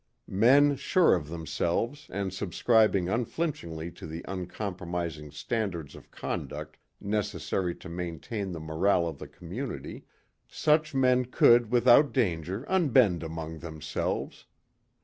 Men sure of themselves and subscribing unflinchingly to the uncompromising standards of conduct necessary to maintain the morale of the community, such men could without danger unbend among themselves.